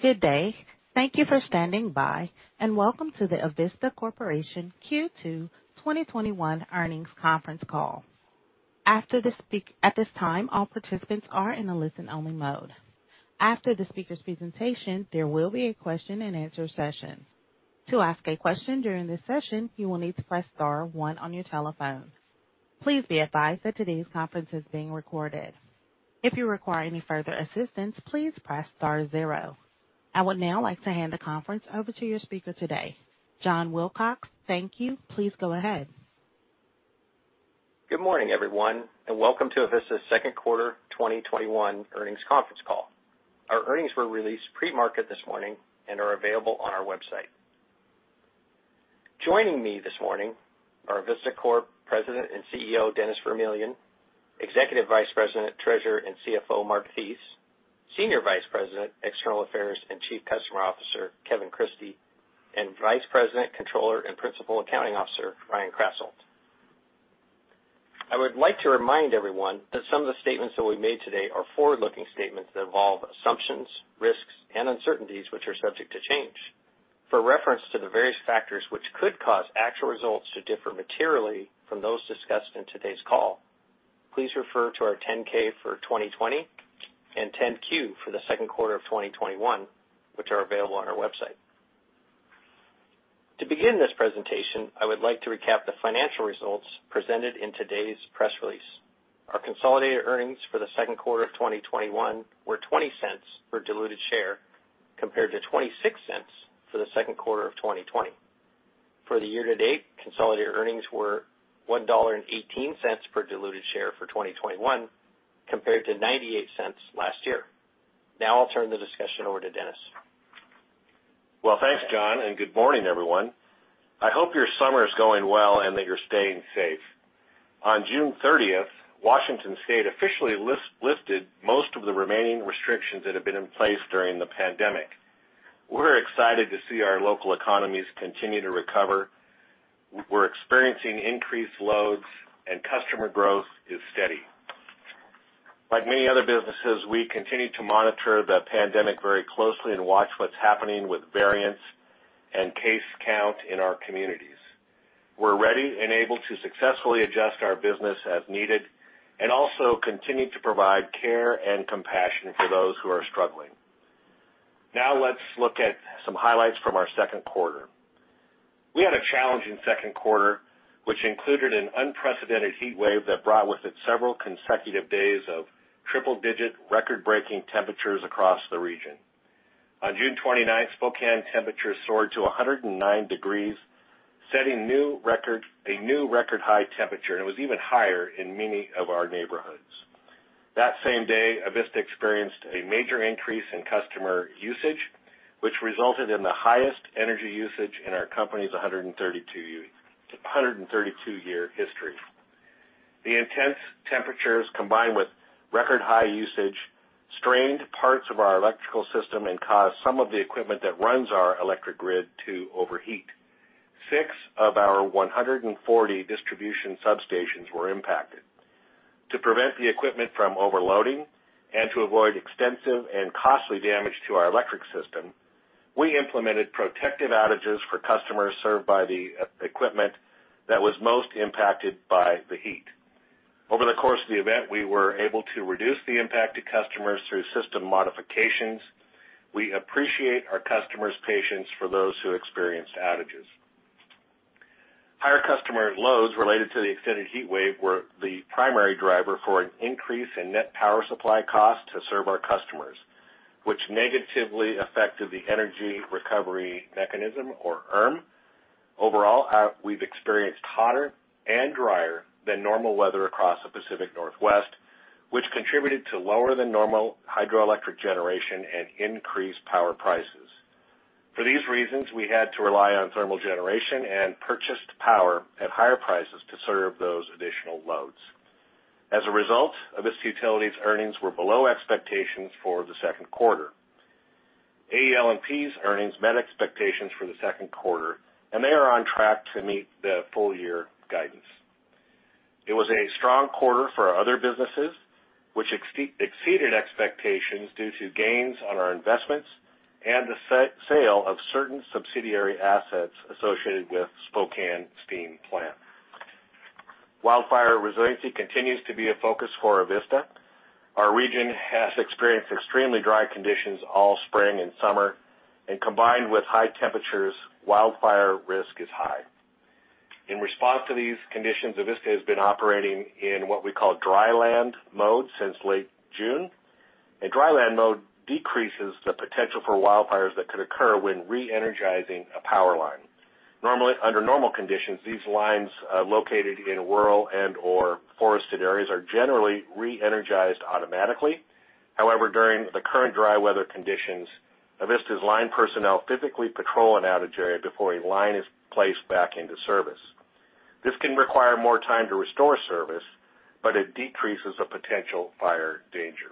Good day. Thank you for standing by, and welcome to the Avista Corporation Q2 2021 earnings conference call. At this time, all participants are in a listen-only mode. After the speaker's presentation, there will be a question and answer session. To ask a question during the session, you will need to press star one on your telephone. Please be advised that today's conference is being recorded. If you require any further assistance, please press star zero. I will now like to hand the conference over to your speaker today. John Wilcox, thank you. Please go ahead. Good morning, everyone, and welcome to Avista's second quarter 2021 earnings conference call. Our earnings were released pre-market this morning and are available on our website. Joining me this morning are Avista Corp. President and CEO, Dennis Vermillion, Executive Vice President, Treasurer and CFO, Mark Thies, Senior Vice President, External Affairs and Chief Customer Officer, Kevin Christie, and Vice President, Controller and Principal Accounting Officer, Ryan Krasselt. I would like to remind everyone that some of the statements that we've made today are forward-looking statements that involve assumptions, risks, and uncertainties which are subject to change. For reference to the various factors which could cause actual results to differ materially from those discussed in today's call, please refer to our 10-K for 2020 and 10-Q for the second quarter of 2021, which are available on our website. To begin this presentation, I would like to recap the financial results presented in today's press release. Our consolidated earnings for the second quarter of 2021 were $0.20 per diluted share, compared to $0.26 for the second quarter of 2020. For the year-to-date, consolidated earnings were $1.18 per diluted share for 2021, compared to $0.98 last year. Now I'll turn the discussion over to Dennis. Well, thanks, John, and good morning, everyone. I hope your summer is going well and that you're staying safe. On June 30th, Washington State officially lifted most of the remaining restrictions that had been in place during the pandemic. We're excited to see our local economies continue to recover. We're experiencing increased loads and customer growth is steady. Like many other businesses, we continue to monitor the pandemic very closely and watch what's happening with variants and case count in our communities. We're ready and able to successfully adjust our business as needed and also continue to provide care and compassion for those who are struggling. Now let's look at some highlights from our second quarter. We had a challenging second quarter, which included an unprecedented heat wave that brought with it several consecutive days of triple-digit record-breaking temperatures across the region. On June 29th, Spokane temperatures soared to 109 degrees, setting a new record high temperature, and it was even higher in many of our neighborhoods. That same day, Avista experienced a major increase in customer usage, which resulted in the highest energy usage in our company's 132-year history. The intense temperatures, combined with record high usage, strained parts of our electrical system and caused some of the equipment that runs our electric grid to overheat. Six of our 140 distribution substations were impacted. To prevent the equipment from overloading and to avoid extensive and costly damage to our electric system, we implemented protective outages for customers served by the equipment that was most impacted by the heat. Over the course of the event, we were able to reduce the impact to customers through system modifications. We appreciate our customers' patience for those who experienced outages. Higher customer loads related to the extended heat wave were the primary driver for an increase in net power supply cost to serve our customers, which negatively affected the Energy Recovery Mechanism or ERM. Overall, we've experienced hotter and drier than normal weather across the Pacific Northwest, which contributed to lower than normal hydroelectric generation and increased power prices. For these reasons, we had to rely on thermal generation and purchased power at higher prices to serve those additional loads. As a result, Avista Utilities' earnings were below expectations for the second quarter. AEL&P's earnings met expectations for the second quarter, and they are on track to meet the full-year guidance. It was a strong quarter for our other businesses, which exceeded expectations due to gains on our investments and the sale of certain subsidiary assets associated with Spokane Steam Plant. Wildfire resiliency continues to be a focus for Avista. Our region has experienced extremely dry conditions all spring and summer, and combined with high temperatures, wildfire risk is high. In response to these conditions, Avista has been operating in what we call dry-land mode since late June. A dry-land mode decreases the potential for wildfires that could occur when re-energizing a power line. Under normal conditions, these lines, located in rural and/or forested areas, are generally re-energized automatically. However, during the current dry weather conditions, Avista's line personnel physically patrol an outage area before a line is placed back into service. This can require more time to restore service, but it decreases the potential fire danger.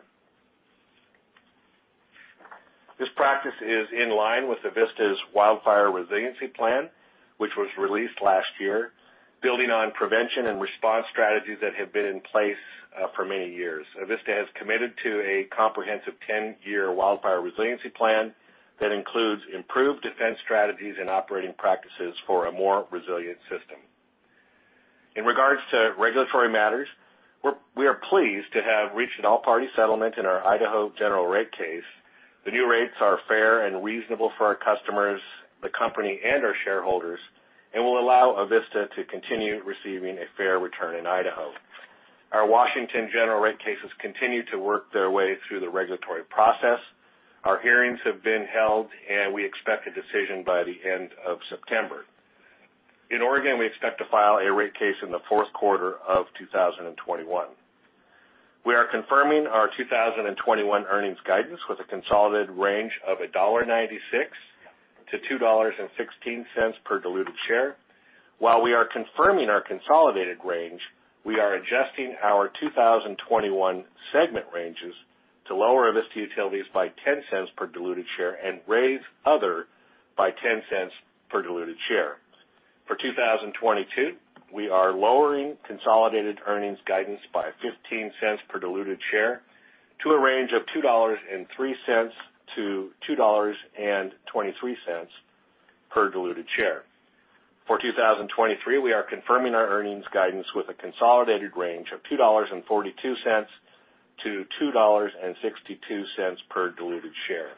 This practice is in line with Avista's Wildfire Resiliency Plan, which was released last year, building on prevention and response strategies that have been in place for many years. Avista has committed to a comprehensive 10-year Wildfire Resiliency Plan that includes improved defense strategies and operating practices for a more resilient system. In regards to regulatory matters, we are pleased to have reached an all-party settlement in our Idaho general rate case. The new rates are fair and reasonable for our customers, the company, and our shareholders, and will allow Avista to continue receiving a fair return in Idaho. Our Washington general rate cases continue to work their way through the regulatory process. Our hearings have been held, and we expect a decision by the end of September. In Oregon, we expect to file a rate case in the fourth quarter of 2021. We are confirming our 2021 earnings guidance with a consolidated range of $1.96-$2.16 per diluted share. While we are confirming our consolidated range, we are adjusting our 2021 segment ranges to lower Avista Utilities by $0.10 per diluted share and raise Other by $0.10 per diluted share. For 2022, we are lowering consolidated earnings guidance by $0.15 per diluted share to a range of $2.03-$2.23 per diluted share. For 2023, we are confirming our earnings guidance with a consolidated range of $2.42-$2.62 per diluted share.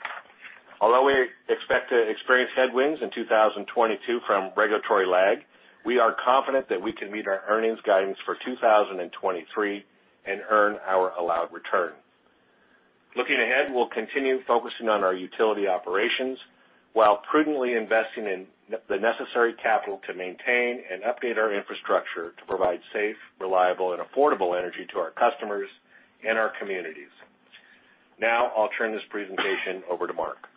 Although we expect to experience headwinds in 2022 from regulatory lag, we are confident that we can meet our earnings guidance for 2023 and earn our allowed return. Looking ahead, we'll continue focusing on our utility operations while prudently investing in the necessary capital to maintain and update our infrastructure to provide safe, reliable, and affordable energy to our customers and our communities. Now, I'll turn this presentation over to Mark.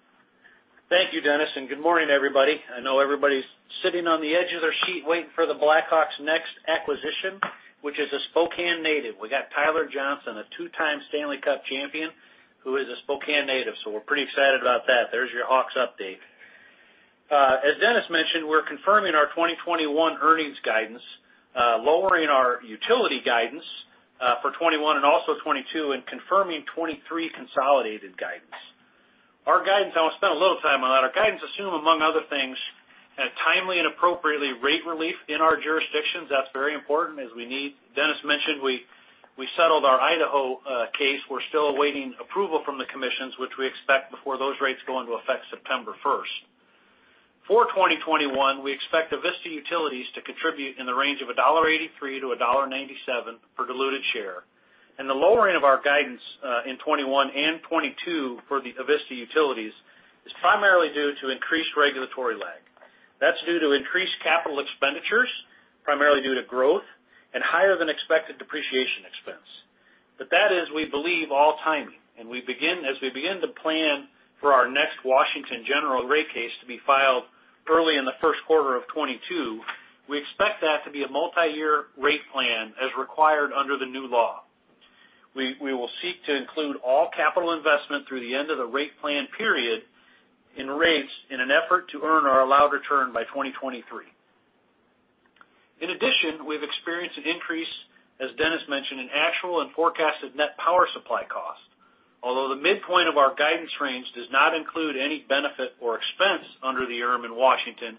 Thank you, Dennis. Good morning, everybody. I know everybody's sitting on the edge of their seat waiting for the Blackhawks' next acquisition, which is a Spokane native. We got Tyler Johnson, a two-time Stanley Cup champion, who is a Spokane native. We're pretty excited about that. There's your Hawks update. As Dennis mentioned, we're confirming our 2021 earnings guidance, lowering our utility guidance for 2021 and also 2022, and confirming 2023 consolidated guidance. Our guidance, I want to spend a little time on that. Our guidance assume, among other things, a timely and appropriately rate relief in our jurisdictions. That's very important as we need. Dennis mentioned we settled our Idaho case. We're still awaiting approval from the commissions, which we expect before those rates go into effect September 1st. For 2021, we expect Avista Utilities to contribute in the range of $1.83-$1.97 per diluted share. The lowering of our guidance in 2021 and 2022 for the Avista Utilities is primarily due to increased regulatory lag. That's due to increased capital expenditures, primarily due to growth and higher than expected depreciation expense. That is, we believe, all timing, and as we begin to plan for our next Washington general rate case to be filed early in the first quarter of 2022, we expect that to be a multi-year rate plan as required under the new law. We will seek to include all capital investment through the end of the rate plan period in rates in an effort to earn our allowed return by 2023. In addition, we've experienced an increase, as Dennis mentioned, in actual and forecasted net power supply cost. Although the midpoint of our guidance range does not include any benefit or expense under the ERM in Washington,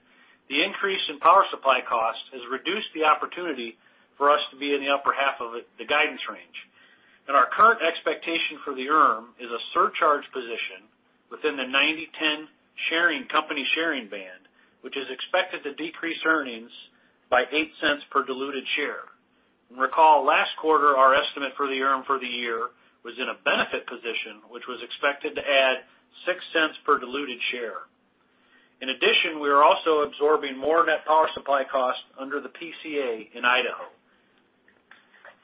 the increase in power supply cost has reduced the opportunity for us to be in the upper half of the guidance range. Our current expectation for the ERM is a surcharge position within the 90/10 company sharing band, which is expected to decrease earnings by $0.08 per diluted share. Recall, last quarter, our estimate for the ERM for the year was in a benefit position, which was expected to add $0.06 per diluted share. In addition, we are also absorbing more net power supply costs under the PCA in Idaho.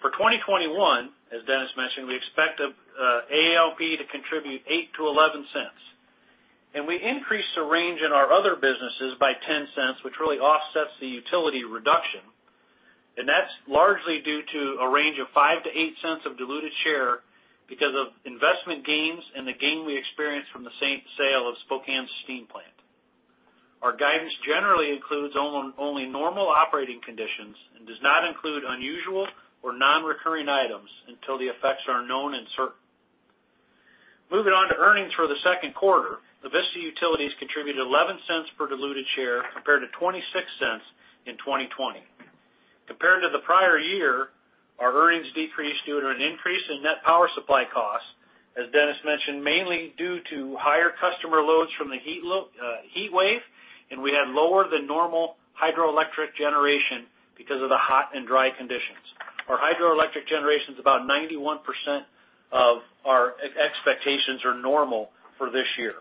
For 2021, as Dennis mentioned, we expect AEL&P to contribute $0.08-$0.11. We increased the range in our other businesses by $0.10, which really offsets the utility reduction, and that's largely due to a range of $0.05-$0.08 of diluted share because of investment gains and the gain we experienced from the sale of Spokane Steam Plant. Our guidance generally includes only normal operating conditions and does not include unusual or non-recurring items until the effects are known and certain. Moving on to earnings for the second quarter. Avista Utilities contributed $0.11 per diluted share compared to $0.26 in 2020. Compared to the prior year, our earnings decreased due to an increase in net power supply costs, as Dennis mentioned, mainly due to higher customer loads from the heat wave, and we had lower than normal hydroelectric generation because of the hot and dry conditions. Our hydroelectric generation's about 91% of our expectations or normal for this year.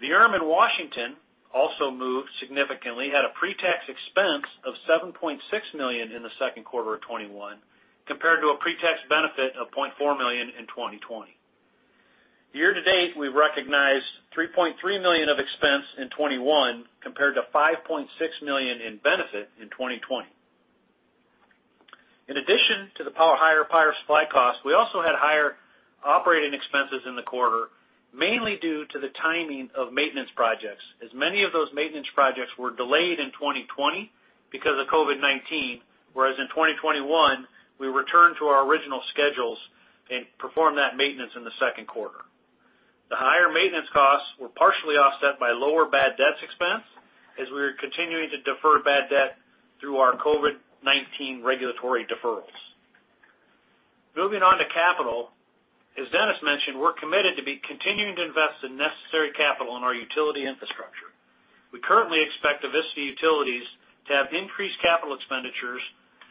The ERM in Washington also moved significantly, had a pre-tax expense of $7.6 million in the second quarter of 2021, compared to a pre-tax benefit of $0.4 million in 2020. Year-to-date, we've recognized $3.3 million of expense in 2021 compared to $5.6 million in benefit in 2020. In addition to the higher power supply costs, we also had higher operating expenses in the quarter, mainly due to the timing of maintenance projects, as many of those maintenance projects were delayed in 2020 because of COVID-19, whereas in 2021, we returned to our original schedules and performed that maintenance in the second quarter. The higher maintenance costs were partially offset by lower bad debts expense as we are continuing to defer bad debt through our COVID-19 regulatory deferrals. Moving on to capital. As Dennis mentioned, we're committed to continuing to invest in necessary capital in our utility infrastructure. We currently expect Avista Utilities to have increased capital expenditures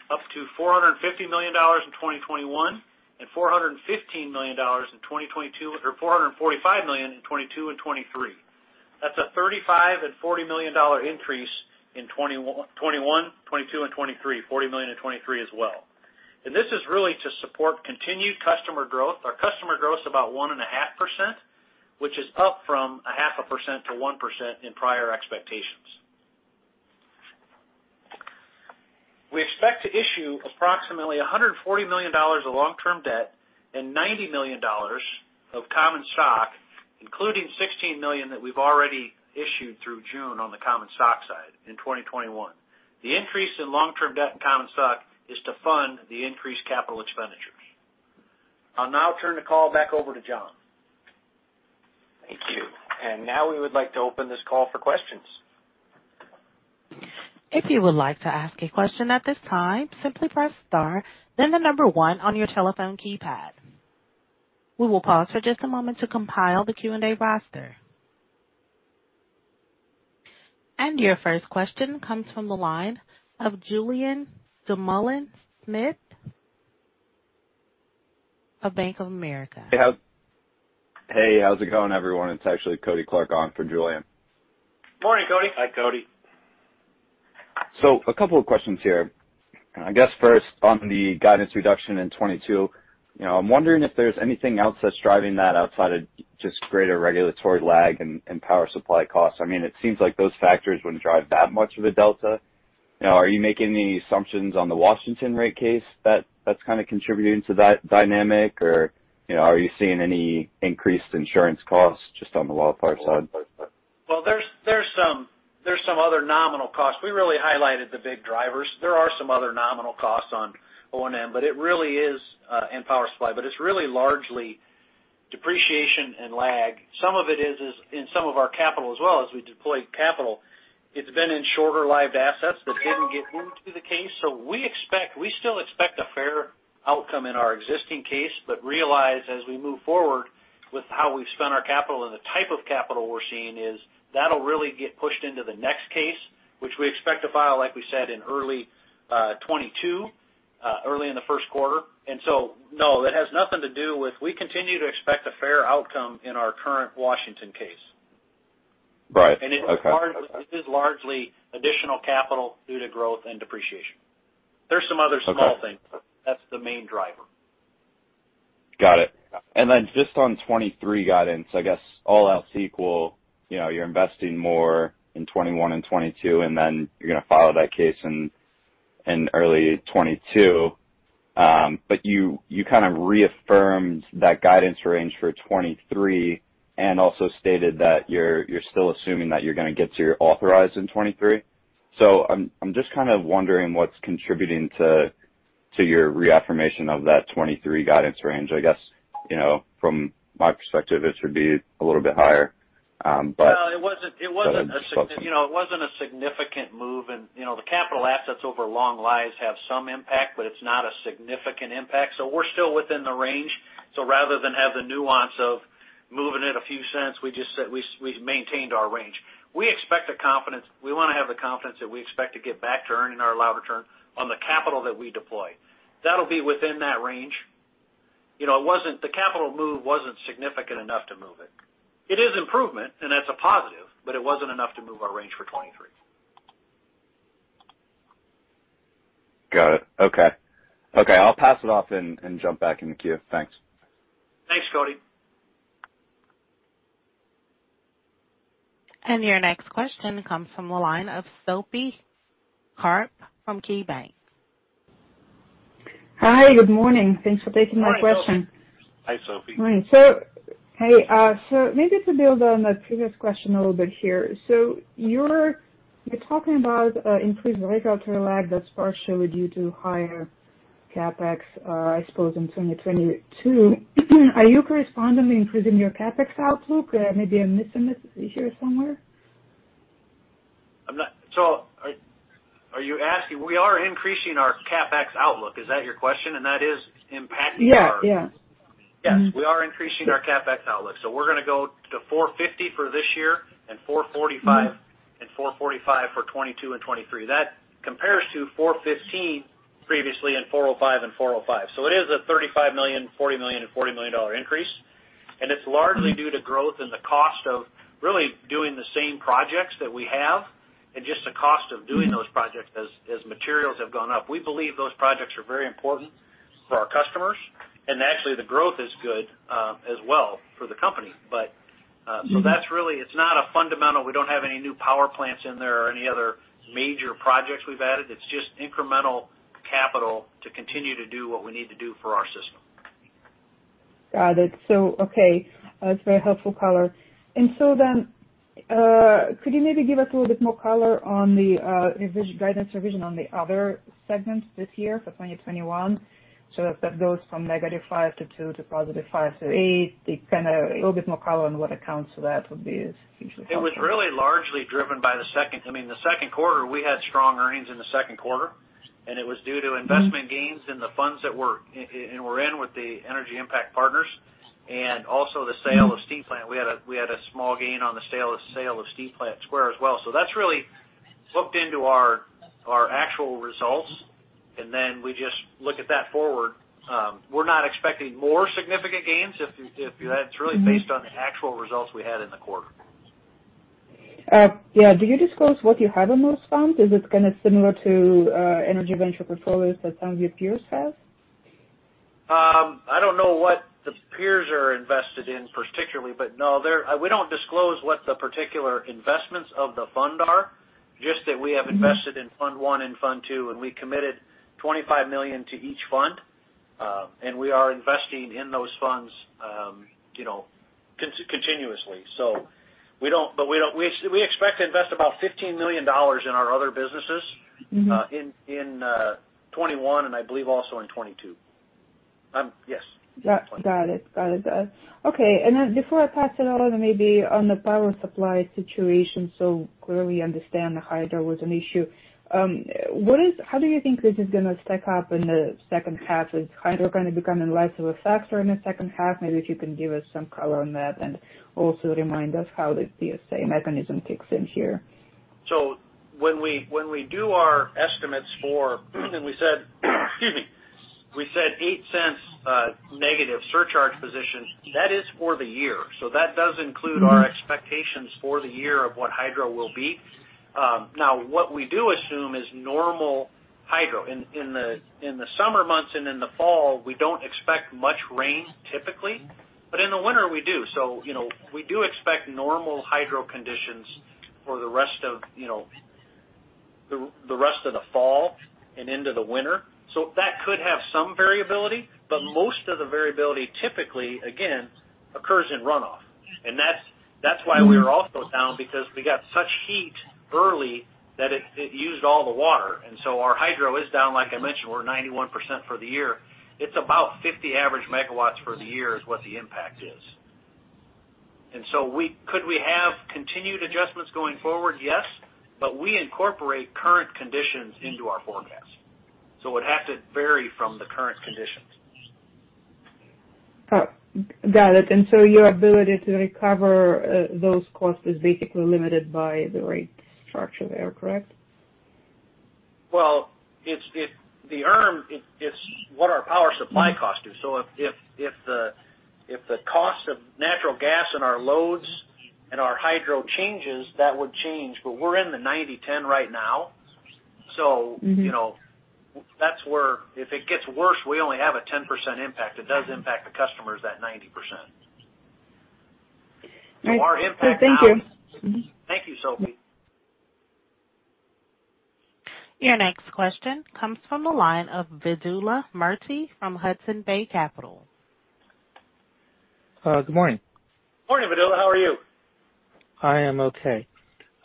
up to $450 million in 2021 and $415 million in 2022 or $445 million in 2022 and 2023. That's a $35 million and $40 million increase in 2021, 2022, and 2023. $40 million in 2023 as well. This is really to support continued customer growth. Our customer growth is about 1.5%, which is up from 0.5% to 1% in prior expectations. We expect to issue approximately $140 million of long-term debt and $90 million of common stock, including $16 million that we've already issued through June on the common stock side in 2021. The increase in long-term debt and common stock is to fund the increased capital expenditures. I'll now turn the call back over to John. Thank you. Now we would like to open this call for questions. If you would like to ask a question at this time, simply press star, then the number one on your telephone keypad. We will pause for just a moment to compile the Q&A roster. Your first question comes from the line of Julien Dumoulin-Smith of Bank of America. Hey. How's it going, everyone? It's actually Kody Clark on for Julien. Morning, Kody. Hi, Kody. A couple of questions here. I guess first on the guidance reduction in 2022. I am wondering if there is anything else that is driving that outside of just greater regulatory lag and power supply costs. It seems like those factors wouldn't drive that much of a delta. Are you making any assumptions on the Washington rate case that is kind of contributing to that dynamic? Are you seeing any increased insurance costs just on the wildfire side? Well, there's some other nominal costs. We really highlighted the big drivers. There are some other nominal costs on O&M, and power supply, but it's really largely depreciation and lag. Some of it is in some of our capital as well as we deploy capital. It's been in shorter-lived assets that didn't get moved to the case. We still expect a fair outcome in our existing case, but realize as we move forward with how we've spent our capital and the type of capital we're seeing is that'll really get pushed into the next case, which we expect to file, like we said, in early 2022, early in the first quarter. No, we continue to expect a fair outcome in our current Washington case. Right. Okay. It is largely additional capital due to growth and depreciation. There is some other small things. Okay. That's the main driver. Got it. Then just on 2023 guidance, I guess all else equal, you're investing more in 2021 and 2022, then you're going to file that case in early 2022. You kind of reaffirmed that guidance range for 2023 and also stated that you're still assuming that you're going to get to your authorized in 2023. I'm just kind of wondering what's contributing to your reaffirmation of that 2023 guidance range. I guess, from my perspective, it should be a little bit higher. But- Well, it wasn't a significant move. The capital assets over long lives have some impact, but it's not a significant impact. We're still within the range. Rather than have the nuance of moving it a few cents, we just said we maintained our range. We want to have the confidence that we expect to get back to earning our allowed return on the capital that we deploy. That'll be within that range. The capital move wasn't significant enough to move it. It is improvement, and that's a positive, but it wasn't enough to move our range for 2023. Got it. Okay. I'll pass it off and jump back in the queue. Thanks. Thanks, Kody. Your next question comes from the line of Sophie Karp from KeyBanc. Hi. Good morning. Thanks for taking my question. Morning, Sophie. Hi, Sophie. Morning. Hey. Maybe to build on the previous question a little bit here. You're talking about increased regulatory lag that's partially due to higher CapEx, I suppose, in 2022. Are you correspondingly increasing your CapEx outlook? Maybe I'm missing it here somewhere. We are increasing our CapEx outlook. Is that your question? That is impacting our- Yes. Yes. We are increasing our CapEx outlook. We're going to go to $450 million for this year and $445 million for 2022 and 2023. That compares to $415 million previously and $405 million. It is a $35 million, $40 million and $40 million increase, and it's largely due to growth and the cost of really doing the same projects that we have and just the cost of doing those projects as materials have gone up. We believe those projects are very important for our customers, and actually the growth is good as well for the company. That's really, it's not a fundamental, we don't have any new power plants in there or any other major projects we've added. It's just incremental capital to continue to do what we need to do for our system. Got it. Okay. That's a very helpful color. Could you maybe give us a little bit more color on the revision guidance revision on the other segments this year for 2021? If that goes from -$5 million to -$2 million to $5 million to $8 million. A little bit more color on what accounts to that would be hugely helpful. It was really largely driven by the second. I mean, the second quarter, we had strong earnings in the second quarter, and it was due to investment gains in the funds that we're in with the Energy Impact Partners and also the sale of Steam Plant. We had a small gain on the sale of Steam Plant Square as well. That's really booked into our actual results. We just look at that forward. We're not expecting more significant gains. It's really based on the actual results we had in the quarter. Yeah. Do you disclose what you have in those funds? Is it kind of similar to energy venture capital that some of your peers have? I don't know what the peers are invested in particularly, no, we don't disclose what the particular investments of the fund are, just that we have invested in fund one and fund two, we committed $25 million to each fund. We are investing in those funds continuously. We expect to invest about $15 million in our other businesses in 2021 and I believe also in 2022. Yes. Got it. Okay. Before I pass it on, maybe on the power supply situation, clearly understand the hydro was an issue. How do you think this is going to stack up in the second half? Is hydro going to become less of a factor in the second half? Maybe if you can give us some color on that and also remind us how the PCA mechanism kicks in here. When we do our estimates for, excuse me, we said $0.08 negative surcharge positions. That is for the year. That does include our expectations for the year of what hydro will be. Now, what we do assume is normal hydro. In the summer months and in the fall, we don't expect much rain typically, but in the winter we do. We do expect normal hydro conditions for the rest of the fall and into the winter. That could have some variability, but most of the variability typically, again, occurs in runoff. That's why we are also down, because we got such heat early that it used all the water, and so our hydro is down. Like I mentioned, we're at 91% for the year. It's about 50 MW average for the year is what the impact is. Could we have continued adjustments going forward? Yes, but we incorporate current conditions into our forecast, so it would have to vary from the current conditions. Got it. Your ability to recover those costs is basically limited by the rate structure there, correct? Well, the ERM is what our power supply cost is. If the cost of natural gas and our loads and our hydro changes, that would change. We're in the 90/10 right now. That's where if it gets worse, we only have a 10% impact. It does impact the customers that 90%. Thank you. Thank you, Sophie. Your next question comes from the line of Vedula Murti from Hudson Bay Capital. Good morning. Morning, Vedula. How are you? I am okay.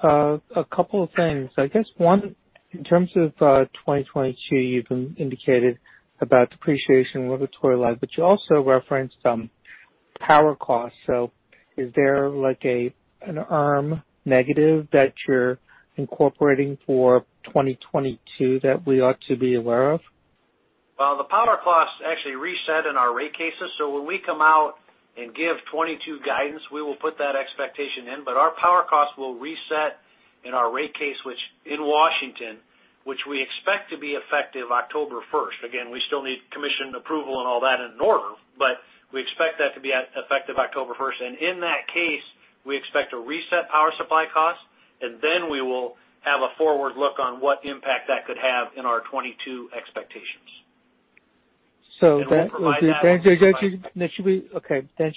A couple of things. I guess one, in terms of 2022, you've indicated about depreciation and regulatory relief, but you also referenced power costs. Is there like an ERM negative that you're incorporating for 2022 that we ought to be aware of? The power costs actually reset in our rate cases. When we come out and give 2022 guidance, we will put that expectation in. Our power costs will reset in our rate case, which in Washington, which we expect to be effective October 1st. Again, we still need commission approval and all that in order, but we expect that to be effective October 1st. In that case, we expect to reset power supply costs, and then we will have a forward look on what impact that could have in our 2022 expectations. So that- We'll provide that. Okay. It should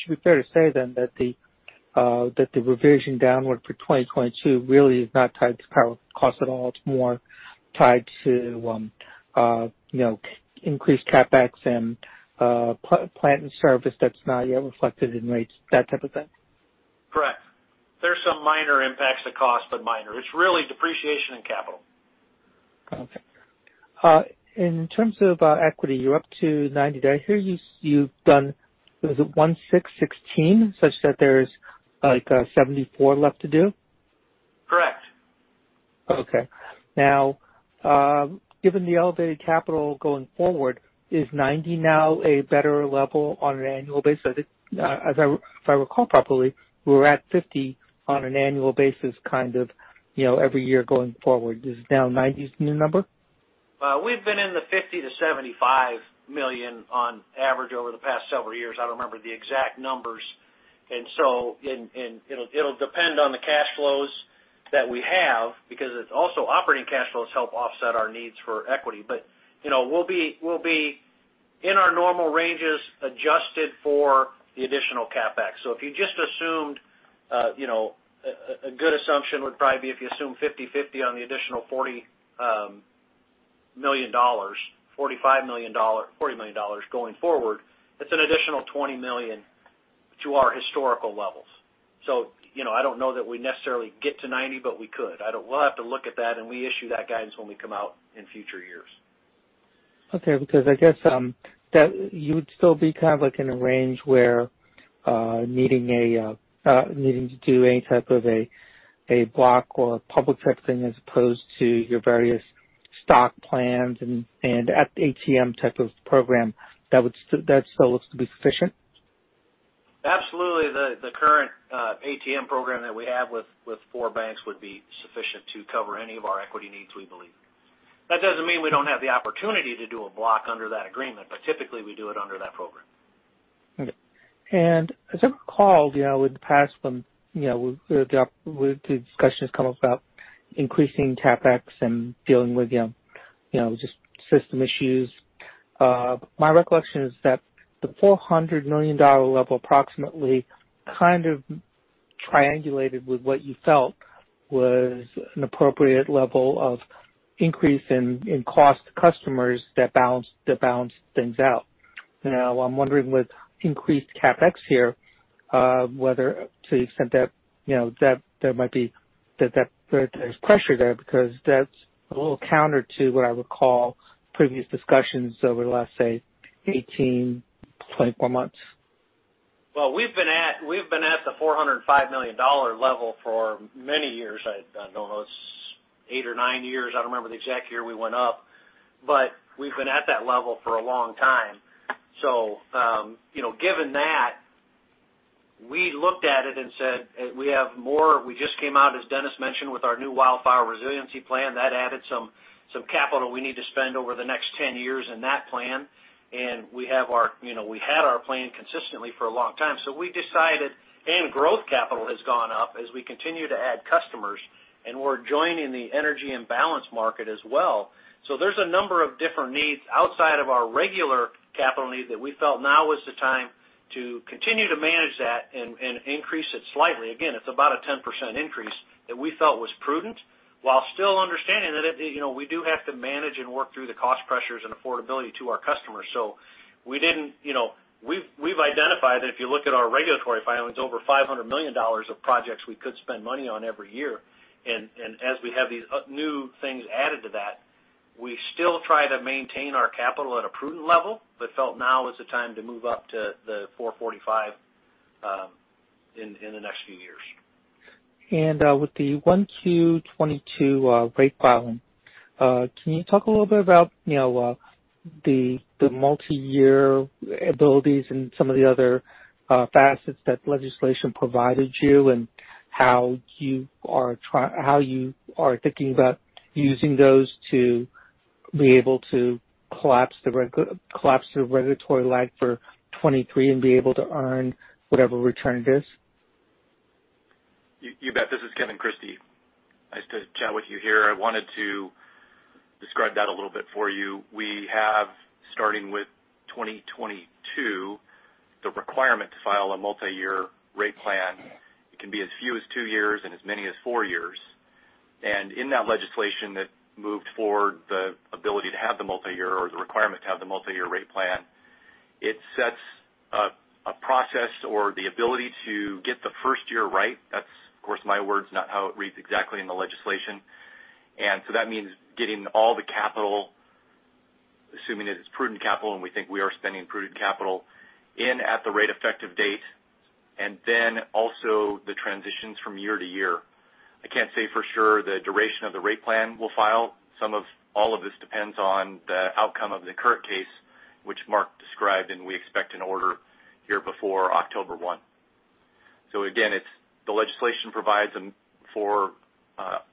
be fair to say then that the revision downward for 2022 really is not tied to power cost at all. It's more tied to increased CapEx and plant and service that's not yet reflected in rates, that type of thing. Correct. There's some minor impacts to cost, but minor. It's really depreciation and capital. Okay. In terms of equity, you're up to 90% there. I hear you've done, was it 16%, such that there's 74% left to do? Correct. Okay. Now, given the elevated capital going forward, is 90% now a better level on an annual basis? If I recall properly, we were at 50% on an annual basis, kind of every year going forward. Is now 90s the new number? We've been in the $50 million-$75 million on average over the past several years. I don't remember the exact numbers. It'll depend on the cash flows that we have, because it's also operating cash flows help offset our needs for equity. We'll be in our normal ranges, adjusted for the additional CapEx. If you just assumed, a good assumption would probably be if you assume 50/50 on the additional $40 million going forward, it's an additional $20 million to our historical levels. I don't know that we necessarily get to $90 million, but we could. We'll have to look at that, and we issue that guidance when we come out in future years. Okay, I guess that you would still be kind of in a range where needing to do any type of a block or a public type thing as opposed to your various stock plans and ATM type of program that still looks to be sufficient? Absolutely. The current ATM program that we have with four banks would be sufficient to cover any of our equity needs, we believe. That doesn't mean we don't have the opportunity to do a block under that agreement, but typically we do it under that program. Okay. As I recalled, in the past when the discussions come up about increasing CapEx and dealing with just system issues, my recollection is that the $400 million level approximately kind of triangulated with what you felt was an appropriate level of increase in cost to customers that balanced things out. Now, I'm wondering with increased CapEx here, whether to the extent that there's pressure there because that's a little counter to what I recall previous discussions over the last, say, 18, 24 months. We've been at the $405 million level for many years. I don't know, it's eight or nine years. I don't remember the exact year we went up. We've been at that level for a long time. Given that, we looked at it and said, we just came out, as Dennis mentioned, with our new Wildfire Resiliency Plan. That added some capital we need to spend over the next 10 years in that plan. We had our plan consistently for a long time. We decided, and growth capital has gone up as we continue to add customers, and we're joining the Energy Imbalance Market as well. There's a number of different needs outside of our regular capital needs that we felt now was the time to continue to manage that and increase it slightly. Again, it's about a 10% increase that we felt was prudent, while still understanding that we do have to manage and work through the cost pressures and affordability to our customers. We've identified that if you look at our regulatory filings, over $500 million of projects we could spend money on every year. As we have these new things added to that, we still try to maintain our capital at a prudent level, but felt now is the time to move up to the $445 million in the next few years. With the 1Q 2022 rate filing, can you talk a little bit about the multiyear abilities and some of the other facets that legislation provided you and how you are thinking about using those to be able to collapse the regulatory lag for 2023 and be able to earn whatever return it is? You bet. This is Kevin Christie. Nice to chat with you here. I wanted to describe that a little bit for you. We have, starting with 2022, the requirement to file a multiyear rate plan. It can be as few as two years and as many as four years. In that legislation that moved forward the ability to have the multiyear or the requirement to have the multiyear rate plan, it sets a process or the ability to get the first year right. That's, of course, my words, not how it reads exactly in the legislation. That means getting all the capital, assuming that it's prudent capital, and we think we are spending prudent capital, in at the rate effective date, and then also the transitions from year-to-year. I can't say for sure the duration of the rate plan we'll file. Some of all of this depends on the outcome of the current case, which Mark described. We expect an order here before October 1. Again, the legislation provides for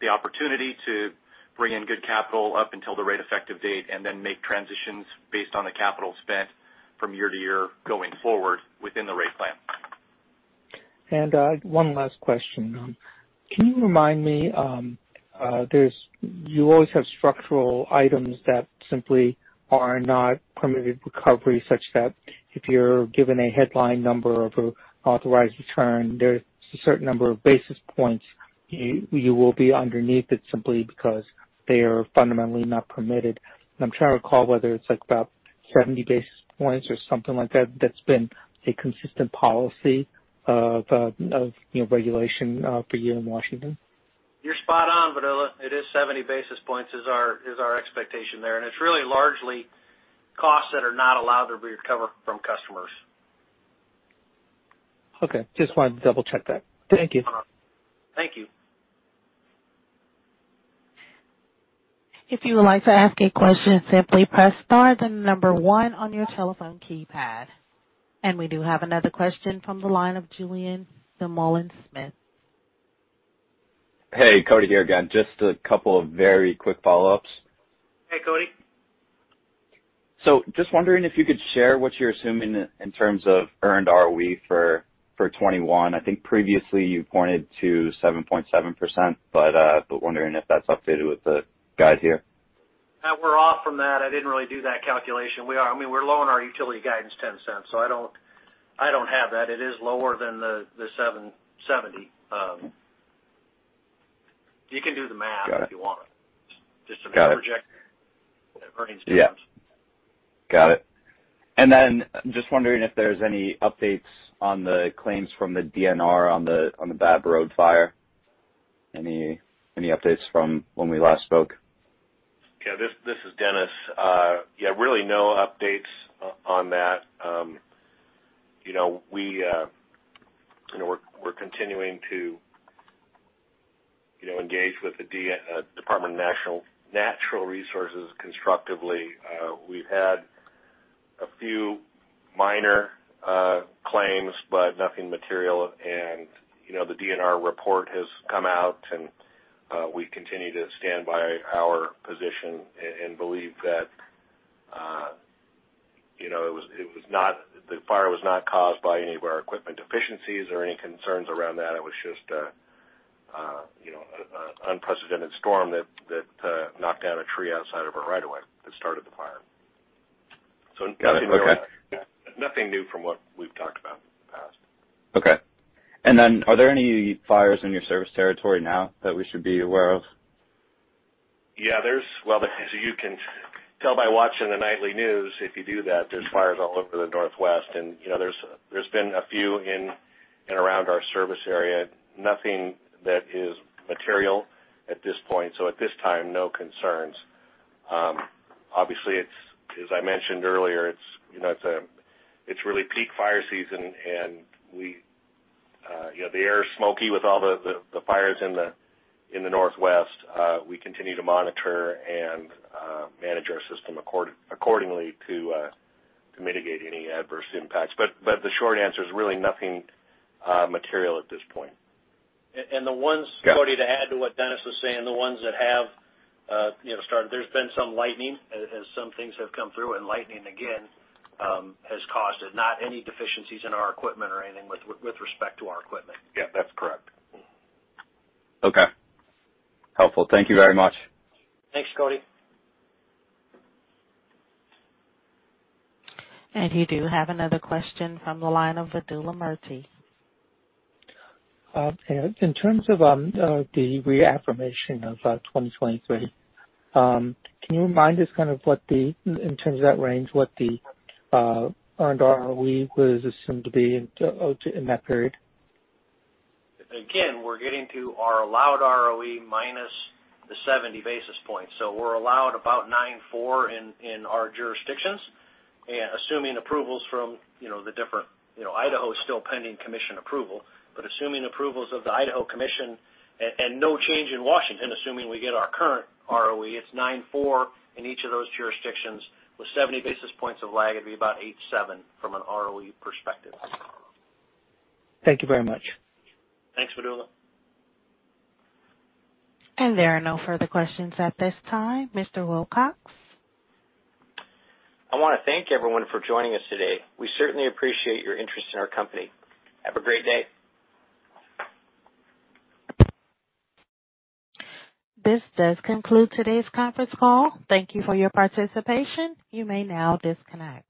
the opportunity to bring in good capital up until the rate effective date and then make transitions based on the capital spent from year-to-year going forward within the rate plan. One last question. Can you remind me, you always have structural items that simply are not permitted recovery such that if you're given a headline number of authorized return, there's a certain number of basis points you will be underneath it simply because they are fundamentally not permitted. I'm trying to recall whether it's about 70 basis points or something like that that's been a consistent policy of regulation for you in Washington. You're spot on, Vedula. It is 70 basis points is our expectation there. It's really largely costs that are not allowed to be recovered from customers. Okay. Just wanted to double-check that. Thank you. Thank you. If you would like to ask a question, simply press star, then number one on your telephone keypad. We do have another question from the line of Julien Dumoulin-Smith. Hey, Kody here again. Just a couple of very quick follow-ups. Hey, Kody. Just wondering if you could share what you're assuming in terms of earned ROE for 2021. I think previously you pointed to 7.7%, but wondering if that's updated with the guide here. We're off from that. I didn't really do that calculation. We're low on our utility guidance $0.10. I don't have that. It is lower than $0.70. You can do the math. Got it. If you want. Got it. Yeah. Got it. Just wondering if there's any updates on the claims from the DNR on the Babb Road Fire. Any updates from when we last spoke? Yeah. This is Dennis. Yeah, really no updates on that. We're continuing to engage with the Department of Natural Resources constructively. We've had a few minor claims, but nothing material. The DNR report has come out, and we continue to stand by our position and believe that the fire was not caused by any of our equipment deficiencies or any concerns around that. It was just an unprecedented storm that knocked down a tree outside of our right of way that started the fire. Got it. Okay. Nothing new from what we've talked about in the past. Okay. Are there any fires in your service territory now that we should be aware of? Yeah. As you can tell by watching the nightly news, if you do that, there's fires all over the Northwest, and there's been a few in and around our service area. Nothing that is material at this point. At this time, no concerns. Obviously, as I mentioned earlier, it's really peak fire season, and the air is smoky with all the fires in the Northwest. We continue to monitor and manage our system accordingly to mitigate any adverse impacts. The short answer is really nothing material at this point. The ones, Kody, to add to what Dennis is saying, the ones that have started, there's been some lightning as some things have come through, and lightning again has caused it. Not any deficiencies in our equipment or anything with respect to our equipment. Yeah, that's correct. Okay. Helpful. Thank you very much. Thanks, Kody. You do have another question from the line of Vedula Murti. In terms of the reaffirmation of 2023, can you remind us in terms of that range, what the earned ROE was assumed to be in that period? We're getting to our allowed ROE minus the 70 basis points. We're allowed about 9.4% in our jurisdictions. Idaho is still pending commission approval, assuming approvals of the Idaho Commission and no change in Washington, assuming we get our current ROE, it's 9.4% in each of those jurisdictions with 70 basis points of lag, it'd be about 8.7% from an ROE perspective. Thank you very much. Thanks, Vedula. There are no further questions at this time, Mr. Wilcox. I want to thank everyone for joining us today. We certainly appreciate your interest in our company. Have a great day. This does conclude today's conference call. Thank you for your participation. You may now disconnect.